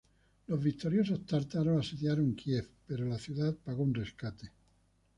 Los victoriosos tártaros asediaron Kiev, pero la ciudad pagó un rescate.